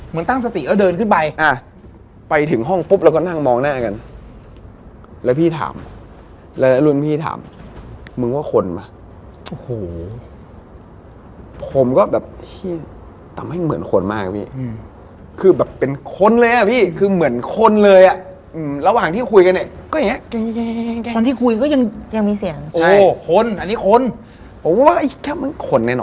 ไม่ต้องเชื่อก็ได้ผลจริง